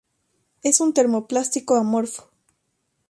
Es un termoplástico amorfo.